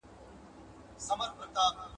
د خپلواکۍ ری او د رښتيا ويلو واک را منځته سي